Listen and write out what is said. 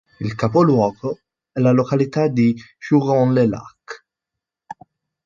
Il capoluogo è la località di Jugon-les-Lacs.